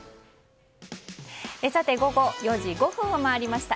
午後４時５分を回りました。